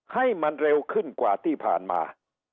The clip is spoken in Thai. ให้มันเร็วขึ้นกว่าที่ผ่านมา